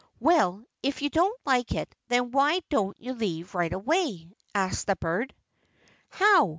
"Well, if you don't like it, then why don't you leave right away?" asked the bird. "How?"